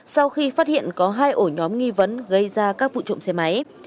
sau khi phát hiện có hai ổ nhóm nghi vấn gây ra các vụ trộm xe máy